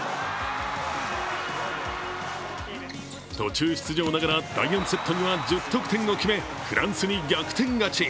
途中出場ながら第４セットには１０得点を決めフランスに逆転勝ち。